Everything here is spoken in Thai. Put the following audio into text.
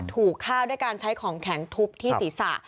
ถูกฆ่าด้วยการใช้ของแข็งทุบที่ศีรษะ